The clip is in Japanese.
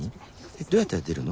どうやったら出るの？